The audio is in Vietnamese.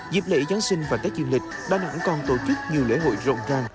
dịp lễ giáng sinh và tết duyên lịch đà nẵng còn tổ chức nhiều lễ hội rộng ràng